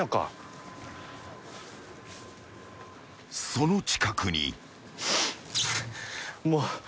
［その近くに］